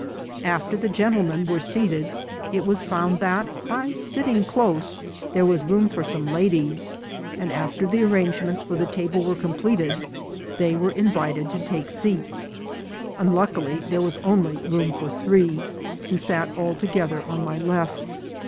After the gentlemen were seated, it was found that, by sitting close, there was room for some ladies, and after the arrangements for the table were completed, they were invited to take seats. Unluckily, there was only room for three, who sat all together on my left.